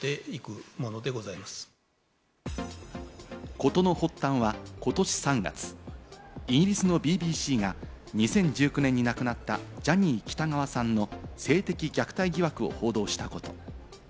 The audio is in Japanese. ことの発端はことし３月、イギリスのＢＢＣが２０１９年に亡くなったジャニー喜多川さんの性的虐待疑惑を報道したこと。